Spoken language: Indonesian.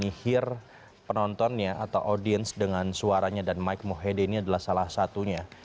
dan mike mohede ini juga mampu menyihir penontonnya atau audiens dengan suaranya dan mike mohede ini adalah salah satunya